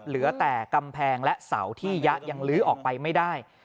เหลือแต่กำแพงและเสาที่ยะยังลื้อออกไปไม่ได้